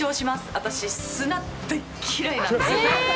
私、砂、大っ嫌いなんですよ。